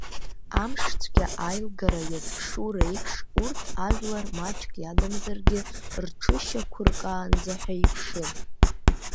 Амшцәгьа аилгара иазԥшу реиԥш, урҭ ажәлар маҷк иадамзаргьы рҽышьақәыркаанӡа ҳәа иԥшын.